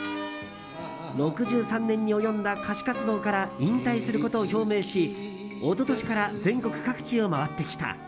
６３年に及んだ歌手活動から引退することを表明し一昨年から全国各地を回ってきた。